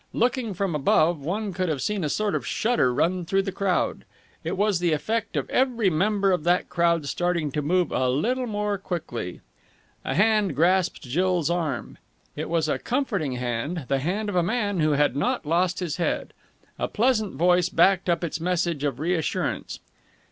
Looking from above, one could have seen a sort of shudder run through the crowd. It was the effect of every member of that crowd starting to move a little more quickly. A hand grasped Jill's arm. It was a comforting hand, the hand of a man who had not lost his head. A pleasant voice backed up its message of reassurance.